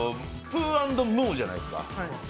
プー＆ムーじゃないですか。